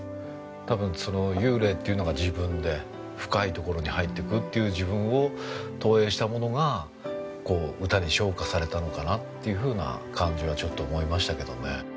多分その幽霊っていうのが自分で深い所に入っていくっていう自分を投影したものがこう歌に昇華されたのかなっていうふうな感じはちょっと思いましたけどね。